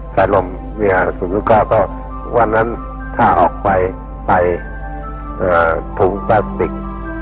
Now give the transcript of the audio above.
สายลมเนี่ยสุดท้ายก็วันนั้นถ้าออกไปใส่อ่าถุงแปลสติก